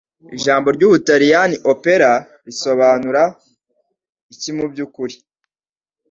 Ijambo ry'Ubutaliyani Opera risobanura iki mubyukuri